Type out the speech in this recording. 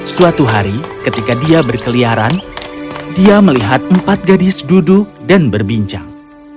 suatu hari ketika dia berkeliaran dia melihat empat gadis duduk dan berbincang